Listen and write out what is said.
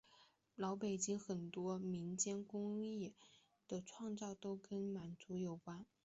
老北京很多民间手工艺的创造都跟满族有关。